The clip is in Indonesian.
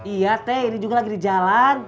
iya teh ini juga lagi di jalan